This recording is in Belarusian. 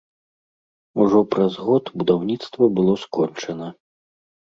Ужо праз год будаўніцтва было скончана.